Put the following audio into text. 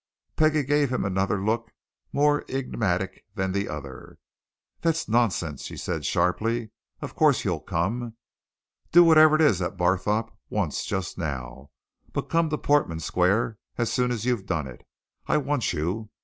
Peggie gave him another look, more enigmatic than the other. "That's nonsense!" she said sharply. "Of course, you'll come. Do whatever it is that Barthorpe wants just now, but come on to Portman Square as soon as you've done it I want you.